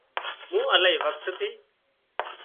مون الاهي وکت ٿِي